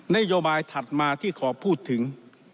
นโยบายถัดมาที่ขอพูดถึง